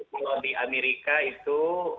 jadi kalau di amerika itu